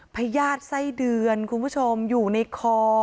พญาติไส้เดือนคุณผู้ชมอยู่ในคอ